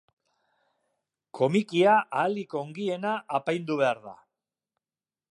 Komikia ahalik ongiena apaindu behar da.